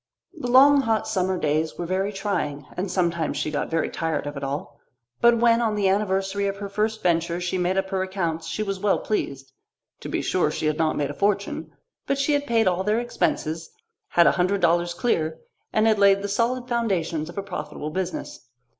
The long hot summer days were very trying, and sometimes she got very tired of it all. But when on the anniversary of her first venture she made up her accounts she was well pleased. To be sure, she had not made a fortune; but she had paid all their expenses, had a hundred dollars clear, and had laid the solid foundations of a profitable business.